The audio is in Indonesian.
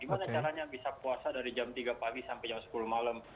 gimana caranya bisa puasa dari jam tiga pagi sampai jam sepuluh malam